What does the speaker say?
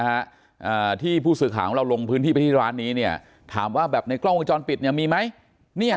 อ่าที่ผู้สื่อข่าวของเราลงพื้นที่ไปที่ร้านนี้เนี่ยถามว่าแบบในกล้องวงจรปิดเนี่ยมีไหมเนี่ย